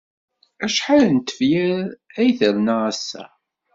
Acḥal n tefyar ay terna ass-a?